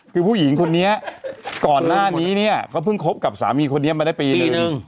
คือผู้หญิงคนนี้ก่อนหน้านี้เนี่ยเขาเพิ่งคบกับสามีคนนี้มาได้ปีนึง